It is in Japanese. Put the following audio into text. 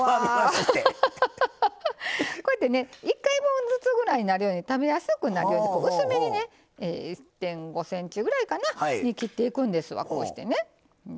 こうやって１回分ずつぐらいになるように食べやすく薄めに１．５ｃｍぐらいに切っていくんですわ。